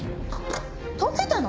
解けたの？